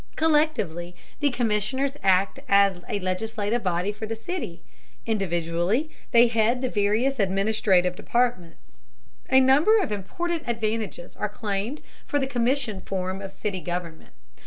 Collectively the commissioners act as a legislative body for the city, individually they head the various administrative departments. A number of important advantages are claimed for the commission form of city government.